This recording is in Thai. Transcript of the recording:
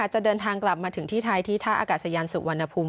จะเดินทางกลับมาถึงที่ไทยที่ท่าอากาศยานสุวรรณภูมิ